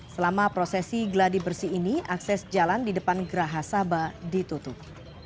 selama prosesi gladi bersih ini akses jalan di depan gerahasaba ditutup